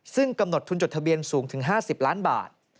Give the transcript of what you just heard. ซึ่งกำหนดทุนจดทะเบียนสูงถึง๕๐ล้านบาท